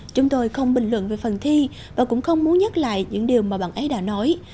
chúng tôi không bình luận về phần thi và cũng không muốn nhắc lại những điều mà bạn ấy đã nói